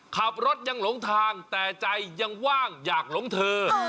ขับรถยังหลงทางแต่ใจยังว่างอยากหลงเธอ